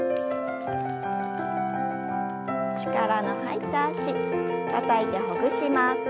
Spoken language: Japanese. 力の入った脚たたいてほぐします。